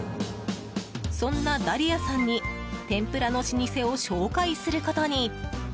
そんなダリアさんに天ぷらの老舗を紹介することに。